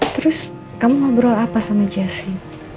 terus kamu ngobrol apa sama jessi